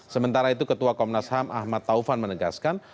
sementara itu ketua komnas ham ahmad taufan menegaskan